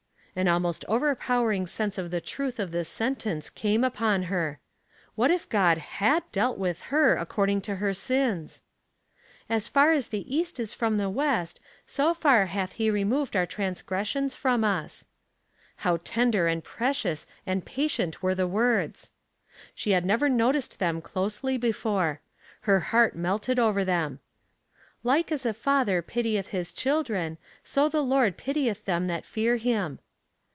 An almost overpowering sense of the truth of this sentence came upon her. What if God Aac? dealt with Jier according to her sins I "As far as the east is from the west, so far hath he removed our transgressions from us." How tender and precious and patient were the words I 276 Household Puzzles, She had never noticed them closely before; her heart melted over them. " Like as a father pitieth his children, so the Lord pitieth them that fear him."